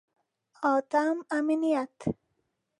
اتم: امنیت.